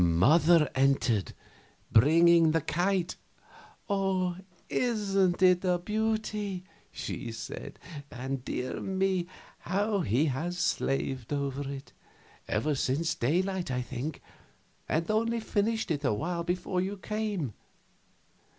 The old mother entered, bringing the kite. "Isn't it a beauty?" she said. "And, dear me, how he has slaved over it ever since daylight, I think, and only finished it awhile before you came."